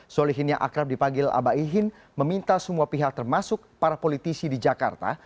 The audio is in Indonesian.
solihin yang akrab dipanggil abaihin meminta semua pihak termasuk para politisi di jakarta